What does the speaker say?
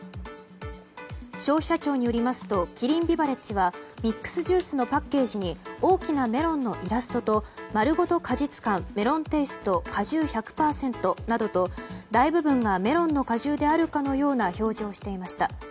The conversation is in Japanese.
消費者庁によりますとキリンビバレッジはミックスジュースのパッケージに大きなメロンのイラストとまるごと果実感、メロンテイスト果汁１００％などと大部分がメロンの果汁であるかのような表示をしていました。